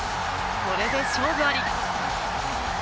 これで勝負あり。